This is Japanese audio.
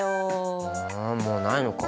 えもうないのか。